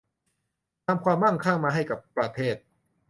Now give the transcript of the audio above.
นำความมั่งคั่งมาให้กับประเทศ